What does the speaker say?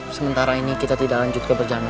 sementara ini kita tidak lanjutkan perjalanan